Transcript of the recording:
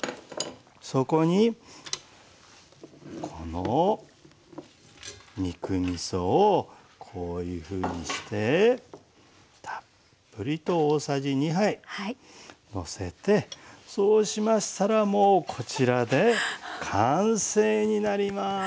そこにこの肉みそをこういうふうにしてたっぷりと大さじ２杯のせてそうしましたらもうこちらで完成になります。